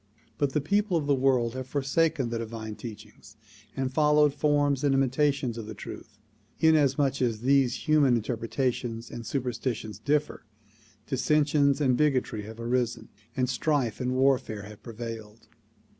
But the people of the world have forsaken the divine teachings and followed forms and imitations of the truth. Inasmuch as these human interpretations and superstitions differ, dissensions and bigotry have arisen and strife and warfare have prevailed.